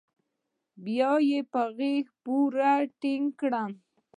بيا يې په غېږ پورې ټينگ کړم.